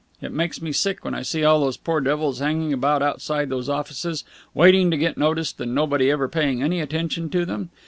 It makes me sick when I see all those poor devils hanging about outside these offices, waiting to get noticed and nobody ever paying any attention to them.